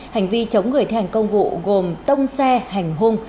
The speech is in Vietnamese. hành vi chống người thi hành công vụ gồm tông xe hành hung